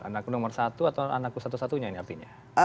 anakku nomor satu atau anakku satu satunya ini artinya